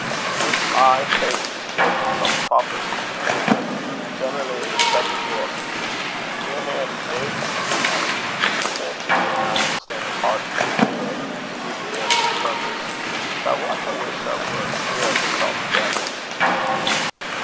And this aye takes the shape o' some proposition or ither, generally i' the second beuk. It near han' dazes me whiles. I fancy gin' I understood the pairts o' the sphere, it would be mair to the purpose; but I wat I wish I were clear o't a'thegither."